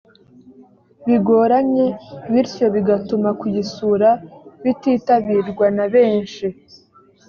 bigoranye bityo bigatuma kuyisura bititabirwa na benshi